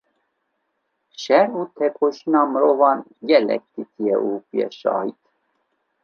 şer û tekoşîna mirovan gelek dîtiye û bûye şahid.